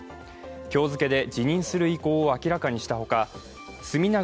今日付で辞任する意向を明らかにしたほか住永